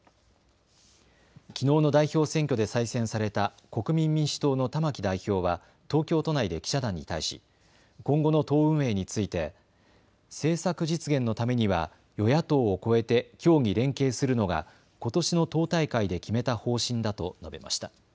きのうの代表選挙で再選された国民民主党の玉木代表は東京都内で記者団に対し今後の党運営について政策実現のためには与野党を超えて協議・連携するのがことしの党大会で決めた方針だと述べました。